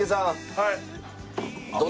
はい。